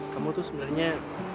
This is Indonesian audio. kamu tuh sebenarnya